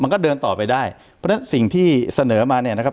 ก็เดินต่อไปได้เพราะฉะนั้นสิ่งที่เสนอมาเนี่ยนะครับ